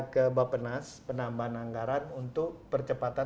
tertika saja yang w direfleksen sama belumitin